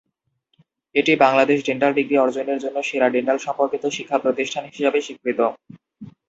এটি বাংলাদেশে dental degree অর্জনের জন্য সেরা ডেন্টাল সম্পর্কিত শিক্ষা প্রতিষ্ঠান হিসাবে স্বীকৃত।